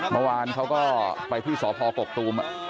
เมื่อวานเขาก็ไปที่สพกกตูม